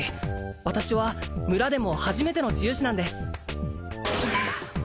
私は村でも初めての治癒士なんですはあ